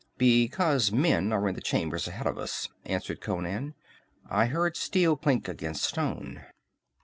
"Because men are in the chambers ahead of us," answered Conan. "I heard steel clink against stone."